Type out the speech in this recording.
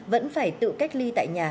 vẫn phải tự cách ly tại nhà